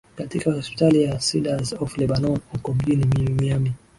Katika hospitali ya Cedars of Lebanon huko mjini Miami